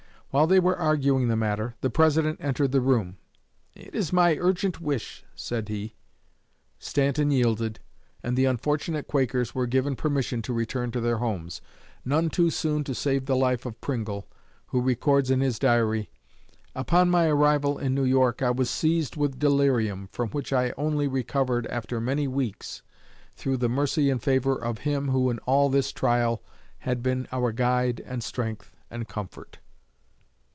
While they were arguing the matter, the President entered the room. "It is my urgent wish," said he. Stanton yielded, and the unfortunate Quakers were given permission to return to their homes none too soon to save the life of Pringle, who records in his diary: "Upon my arrival in New York I was seized with delirium, from which I only recovered after many weeks, through the mercy and favor of Him who in all this trial had been our guide and strength and comfort."